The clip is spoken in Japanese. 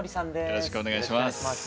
よろしくお願いします。